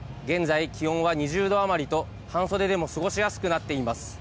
現在、気温は２０度余りと、半袖でも過ごしやすくなっています。